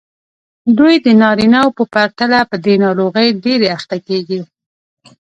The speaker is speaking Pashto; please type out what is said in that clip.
دوی د نارینه وو په پرتله په دې ناروغۍ ډېرې اخته کېږي.